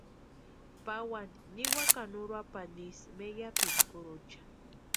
Pawani niwakani Uruapani isï meyapini kurucha.